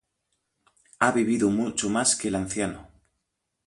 Ha vivido mucho más que el anciano.